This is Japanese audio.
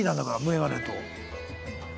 メガネと。